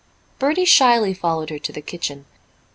Bertie shyly followed her to the kitchen.